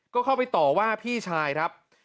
ก็เข้าไปต่อว่าพี่ชายครับ